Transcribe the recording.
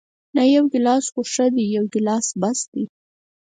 نه، یو ګیلاس خو ښه دی، یو ګیلاس بس دی.